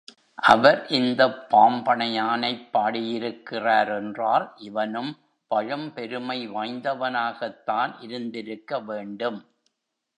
அவர் இந்தப் பாம்பணையானைப் பாடியிருக்கிறார் என்றால் இவனும் பழம்பெருமை வாய்ந்தவனாகத்தான் இருந்திருக்க வேண்டும்.